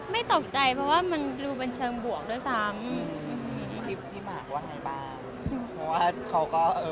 มีภาพจะเปลี่ยนไหมคะ